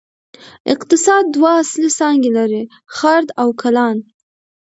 اقتصاد دوه اصلي څانګې لري: خرد او کلان.